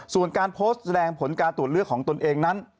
ส่วนการโพสต์แสดงผลการตรวจเลือกของตนเองนั้น